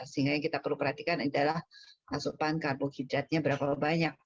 sehingga yang kita perlu perhatikan adalah asupan karbohidratnya berapa banyak